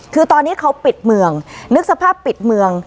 คือตอนนี้เขาปิดเมืองนึกสภาพปิดเมือง